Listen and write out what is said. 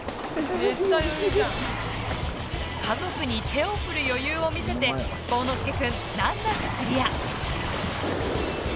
家族に手を振る余裕を見せて幸之介君、難なくクリア！